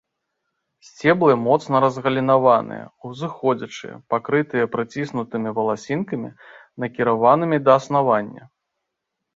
Сцеблы моцна разгалінаваныя, узыходзячыя, пакрытыя прыціснутымі валасінкамі, накіраванымі да аснавання.